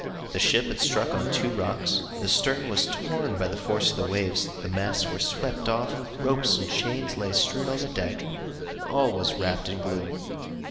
The ship had struck on two rocks. The stern was torn by the force of the waves, the masts were swept off, ropes and chains lay strewn on the deck, and all was wrapt in gloom.